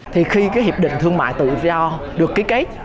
thì khi cái hiệp định thương mại tự do được ký kết